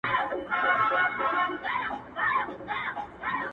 شپې ته راغله انګولا د بلاګانو!.